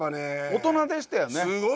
大人でしたよね。